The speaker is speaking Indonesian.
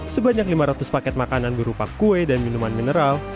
sebanyak lima ratus paket makanan berupa kue dan minuman mineral